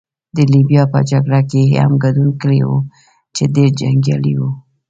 د لیبیا په جګړه کې يې هم ګډون کړی وو، چې ډېر جنګیالی وو.